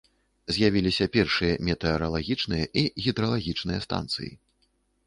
З'явіліся першыя метэаралагічныя і гідралагічныя станцыі.